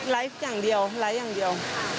อย่างเดียวไลฟ์อย่างเดียว